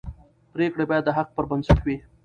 پرېکړې باید د حق پر بنسټ وي